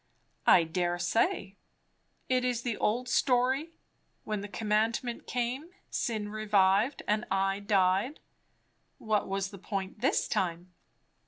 "I dare say. It is the old story 'When the commandment came, sin revived, and I died.' What was the point this time?"